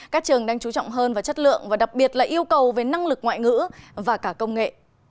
các trường đang chú trọng hơn vào chất lượng và đặc biệt là yêu cầu về năng lực ngoại ngữ và cả công nghệ